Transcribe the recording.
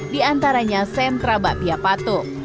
di antaranya sentra bapia patuh